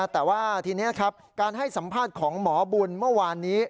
แต่ว่าทีนี้ครับการให้สัมภาษณ์ของหมอบุญเมื่อวานนี้